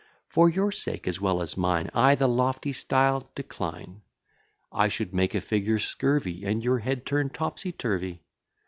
For your sake as well as mine, I the lofty style decline. I should make a figure scurvy, And your head turn topsy turvy.